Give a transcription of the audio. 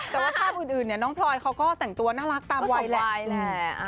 แต่ว่าภาพอื่นเนี่ยน้องพลอยเขาก็แต่งตัวน่ารักตามวัยแหละ